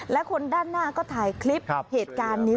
และคนด้านหน้าก็ถ่ายคลิปเหตุการณ์นี้